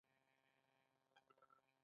خو دا ډول تولید غالب نه و.